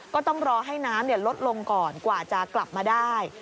ก็ต้องรอให้น้ำลดลงก่อนกว่าจะกลับมาได้